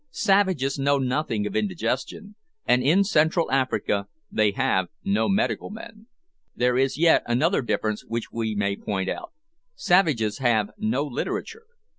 Savages know nothing of indigestion, and in Central Africa they have no medical men. There is yet another difference which we may point out: savages have no literature.